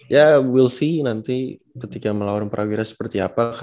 ya we ll see nanti ketika melawan prawira seperti apa